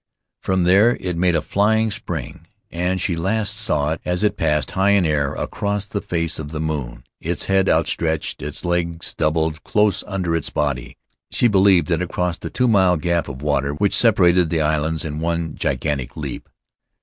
From there it made a flying spring, and she last saw it as it passed, high in air, across the face of the moon, its head outstretched, its legs doubled close under its body. She believed that it crossed the two mile gap of water which separated the islands in one gigantic leap.